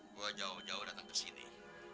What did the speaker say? gue jauh jauh datang ke sini